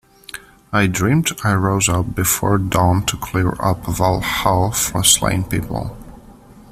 I dreamed I rose up before dawn to clear up Val-hall for slain people.